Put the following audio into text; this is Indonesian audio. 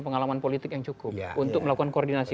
pengalaman politik yang cukup untuk melakukan koordinasi